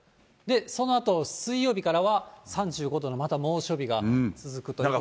そのあと、水曜日からは３５度のまた猛暑日が続くということで。